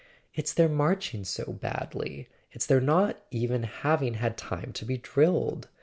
"It's their marching so badly—it's their not even having had time to be drilled!"